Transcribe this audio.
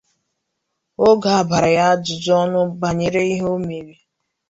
Oge a gbara ya ajụjụ ọnụ banyere ihe o mere